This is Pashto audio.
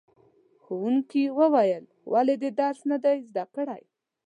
ښوونکي وویل ولې دې درس نه دی زده کړی؟